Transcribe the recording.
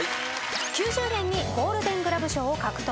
９０年にゴールデン・グラブ賞を獲得。